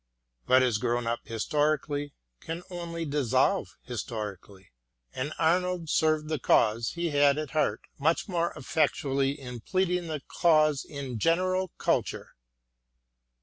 What has grown up historically can only dissolve historically, and MATTHEW ARNOLD 189 Arnold served the cause he had at heart much more effectually in pleading the cause of general culture.